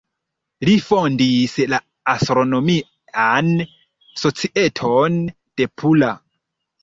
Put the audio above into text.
Li fondis la Astronomian Societon de Pula.